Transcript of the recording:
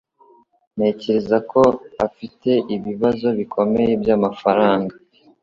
Ntekereza ko afite ibibazo bikomeye byamafaranga.